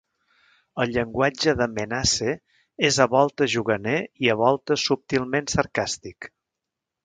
El llenguatge de Menasse es a voltes juganer i a voltes subtilment sarcàstic.